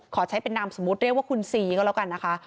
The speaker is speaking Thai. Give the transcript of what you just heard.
ขอใช้เป็นนามสมมุติเรียกว่าคุณซีก็แล้วกันนะคะ